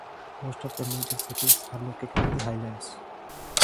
Most of the major cities are located in the Highlands.